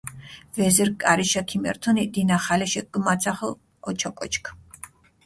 ვეზირქ კარიშა ქიმერთჷნი, დინახალეშე გჷმაძახჷ ოჩოკოჩქ.